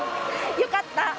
よかった！